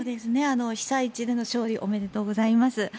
被災地での勝利おめでとうございます。